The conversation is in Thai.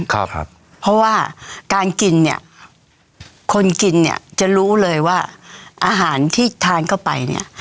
เพราะว่าการกินเนี่ยคนกินเนี่ยจะรู้เลยว่าอาหารที่ทานเข้าไปเนี่ย